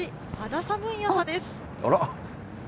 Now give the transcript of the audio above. あら。